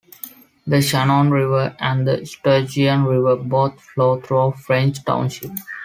The Shannon River and the Sturgeon River both flow through French Township.